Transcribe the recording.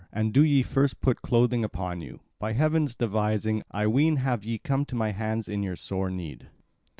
And do ye first put clothing upon you. By heaven's devising, I ween, have ye come to my hands in your sore need."